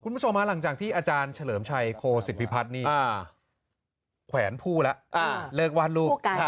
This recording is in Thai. คุณผู้ชมมาหลังจากที่อาจารย์เฉลิมชัยโครสิทธิ์ภิพัฒน์แขวนภูละเลิกวานลูก